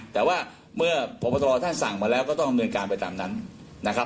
แต่ว่าเมื่อพบตรท่านสั่งมาแล้วก็ต้องดำเนินการไปตามนั้นนะครับ